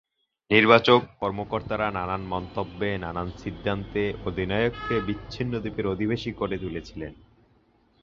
নির্বাচক, কর্মকর্তারা নানা মন্তব্যে, নানা সিদ্ধান্তে অধিনায়ককে বিচ্ছিন্ন দ্বীপের অধিবাসী করে তুলেছিলেন।